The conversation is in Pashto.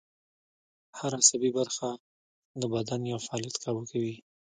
هر عصبي برخه د بدن یو فعالیت کابو کوي